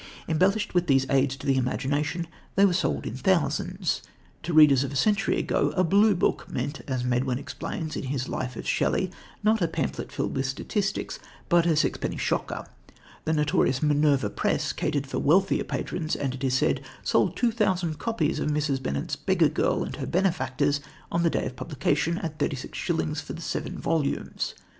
Embellished with these aids to the imagination, they were sold in thousands. To the readers of a century ago, a "blue book" meant, as Medwin explains in his life of Shelley, not a pamphlet filled with statistics, but "a sixpenny shocker." The notorious Minerva Press catered for wealthier patrons, and, it is said, sold two thousand copies of Mrs. Bennett's Beggar Girl and her Benefactors on the day of publication, at thirty six shillings for the seven volumes.